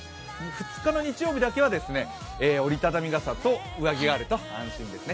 ２日の日曜日だけは折り畳み傘と上着があると安心ですね